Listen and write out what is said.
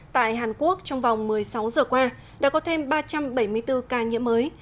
tại hàn quốc trong vòng một mươi sáu giờ qua đã có thêm ba trăm bảy mươi bốn ca nhiễm mới